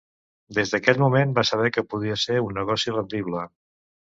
Des d’aquell moment va saber que podia ser un negoci rendible.